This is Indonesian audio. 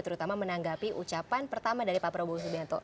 terutama menanggapi ucapan pertama dari pak prabowo subianto